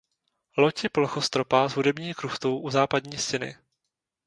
Loď je plochostropá s hudební kruchtou u západní stěny.